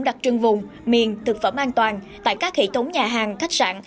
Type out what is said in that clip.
đặc trưng vùng miền thực phẩm an toàn tại các hệ thống nhà hàng khách sạn